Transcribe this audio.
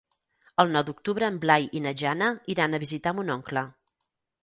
El nou d'octubre en Blai i na Jana iran a visitar mon oncle.